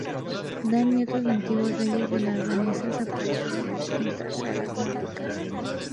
Dan y otros antiguos reyes de los daneses aparecen en distintas sagas nórdicas.